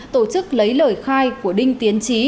tổ chức lấy lời khai của đinh tiến trí